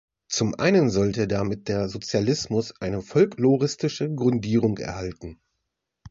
Zum einen sollte damit der Sozialismus eine folkloristische Grundierung erhalten.